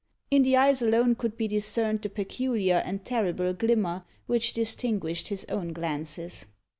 In the eyes alone could be discerned the peculiar and terrible glimmer which distinguished his own glances.